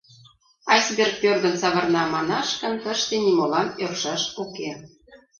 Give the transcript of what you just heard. Айсберг пӧрдын савырна манаш гын, тыште нимолан ӧршаш уке...